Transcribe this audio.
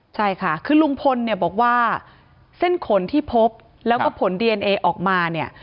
ใช่ค่ะคือลุงพลเนี่ยบอกว่าเส้นขนที่พบแล้วก็ผลดีเอนเอออกมาเนี่ย